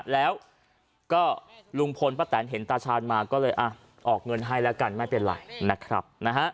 แล้วก็ลุงพลป้าแตนเห็นตาชาญมาก็เลยออกเงินให้แล้วกันไม่เป็นไรนะครับ